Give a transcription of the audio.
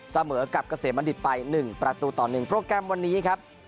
เสมอกับเกษมบัณฑิตไป๑ประตูต่อ๑โปรแกรมวันนี้ครับ